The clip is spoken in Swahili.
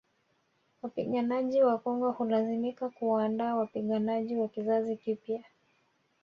Wapiganaji wakongwe hulazimika kuwaandaa wapiganaji wa kizazi kipya